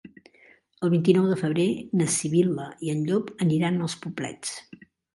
El vint-i-nou de febrer na Sibil·la i en Llop aniran als Poblets.